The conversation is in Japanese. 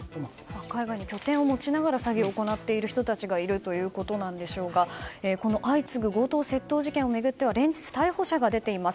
海外の拠点を持ちながら詐欺を行っている人たちがいるということでしょうが相次ぐ強盗殺人事件を巡っては連日逮捕者が出ています。